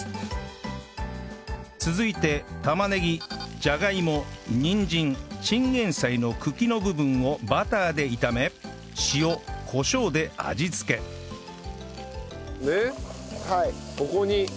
続いて玉ねぎじゃがいもにんじんチンゲンサイの茎の部分をバターで炒め塩コショウで味付けでここに。